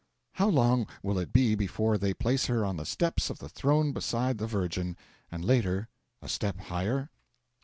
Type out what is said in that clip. How long will it be before they place her on the steps of the Throne beside the Virgin and later a step higher?